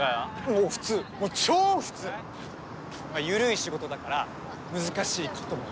おう普通もう超普通緩い仕事だから難しいこともなし！